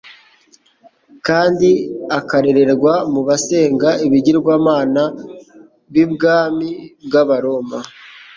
kandi akarererwa mu basenga ibigirwamana b'ibwami bw'abaroma,